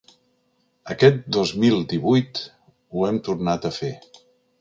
Aquest dos mil divuit ho hem tornat a fer.